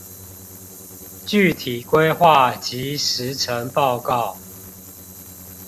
具體規劃及時程報告